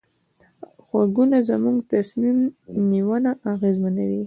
غږونه زموږ تصمیم نیونه اغېزمنوي.